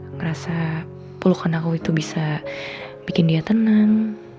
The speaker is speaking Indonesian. ngerasa peluk anakku itu bisa bikin dia tenang